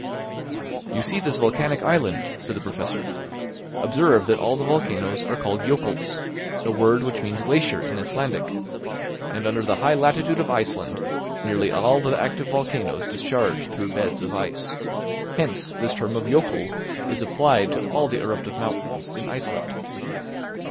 "You see this volcanic island," said the Professor; "observe that all the volcanoes are called jokuls, a word which means glacier in Icelandic, and under the high latitude of Iceland nearly all the active volcanoes discharge through beds of ice. Hence this term of jokul is applied to all the eruptive mountains in Iceland."